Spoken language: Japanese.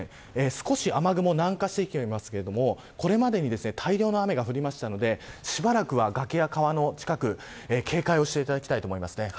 少し雨雲、南下していますけれどこれまでに大量の雨が降りましたのでしばらくは、崖や川の近く警戒をしていただきたいです。